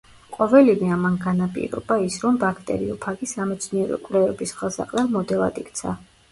ყოველივე ამან განაპირობა, ის რომ ბაქტერიოფაგი სამეცნიერო კვლევების ხელსაყრელ მოდელად იქცა.